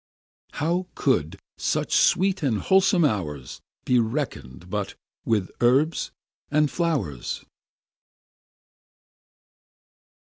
How could such sweet and wholesome hours Be reckon'd but with herbs and flow'rs!